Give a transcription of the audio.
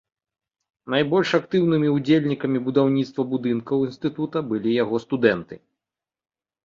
Найбольш актыўнымі ўдзельнікамі будаўніцтва будынкаў інстытута былі яго студэнты.